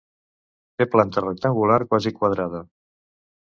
Té planta rectangular, quasi quadrada.